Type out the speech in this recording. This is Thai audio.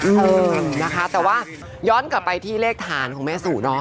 เออนะคะแต่ว่าย้อนกลับไปที่เลขฐานของแม่สู่เนาะ